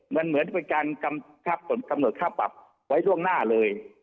มันเหมือนเป็นการกำหนดค่าปรับไว้ล่วงหน้าเลย